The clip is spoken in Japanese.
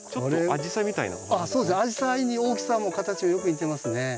アジサイに大きさも形もよく似てますね。